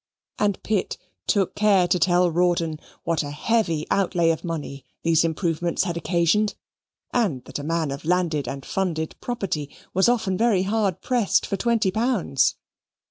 And Pitt took care to tell Rawdon what a heavy outlay of money these improvements had occasioned, and that a man of landed and funded property was often very hard pressed for twenty pounds.